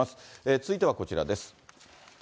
続いてはこちらです。